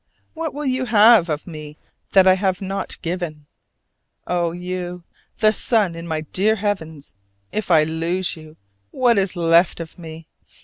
What will you have of me that I have not given? Oh, you, the sun in my dear heavens if I lose you, what is left of me?